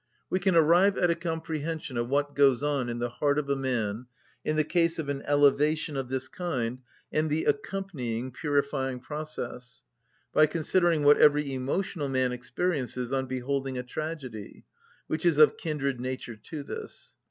We can arrive at a comprehension of what goes on in the heart of a man, in the case of an elevation of this kind and the accompanying purifying process, by considering what every emotional man experiences on beholding a tragedy, which is of kindred nature to this.